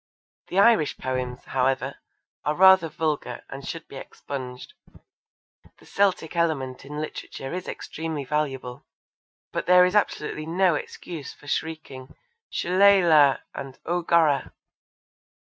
The Irish poems, however, are rather vulgar and should be expunged. The Celtic element in literature is extremely valuable, but there is absolutely no excuse for shrieking 'Shillelagh!' and 'O Gorrah!'